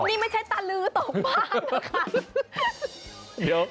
นี่ไม่ใช่ตาลื้อตกบ้างนะคะ